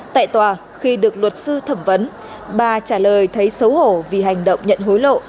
tại tòa khi được luật sư thẩm vấn bà trả lời thấy xấu hổ vì hành động nhận hối lộ